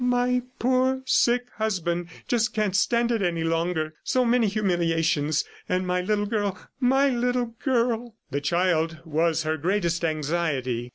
... My poor, sick husband just can't stand it any longer. So many humiliations ... and my little girl .... My little girl!" The child was her greatest anxiety.